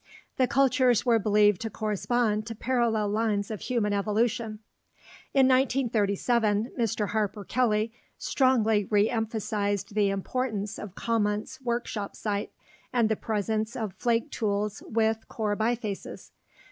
The "cultures" were believed to correspond to parallel lines of human evolution. In 1937, Mr. Harper Kelley strongly re emphasized the importance of Commont's workshop site and the presence of flake tools with core bifaces.